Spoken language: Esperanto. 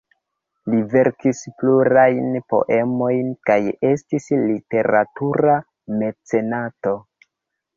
Li verkis plurajn poemojn kaj estis literatura mecenato.